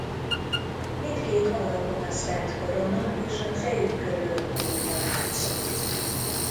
Mindkét alakon a Szent Korona és a fejük körül glória látszott.